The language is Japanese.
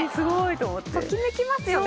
ときめきますよね？